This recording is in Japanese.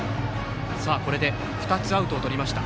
これで２つアウトをとりました。